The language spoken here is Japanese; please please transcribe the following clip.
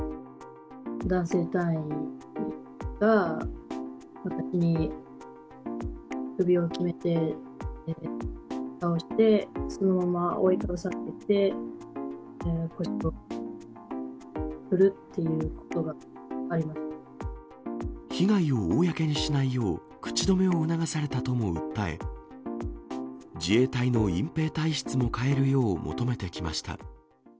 男性隊員が私に首をきめて、倒して、そのまま覆いかぶさってきて、被害を公にしないよう、口止めを促されたとも訴え、自衛隊の隠蔽体質も変えるよう求めてきました。